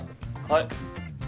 はい。